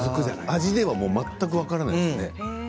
味では全く分からないですけど。